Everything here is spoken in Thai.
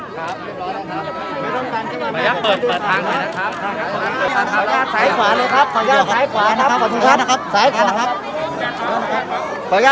คุณตัดเงี้ย